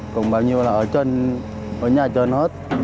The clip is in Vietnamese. còn bao nhiêu là ở nhà trên hết